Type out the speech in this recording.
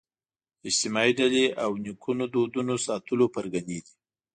اجتماعي ډلې او نیکونو دودونو ساتلو پرګنې دي